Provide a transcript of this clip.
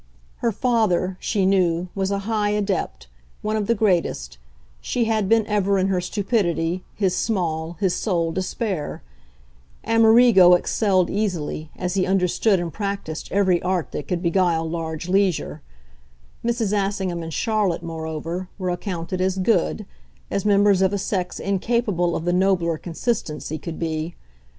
Her father, she knew, was a high adept, one of the greatest she had been ever, in her stupidity, his small, his sole despair; Amerigo excelled easily, as he understood and practised every art that could beguile large leisure; Mrs. Assingham and Charlotte, moreover, were accounted as "good" as members of a sex incapable of the nobler consistency could be.